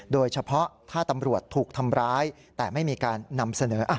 โดยเฉพาะถ้าตำรวจถูกทำร้ายแต่ไม่มีการนำเสนอ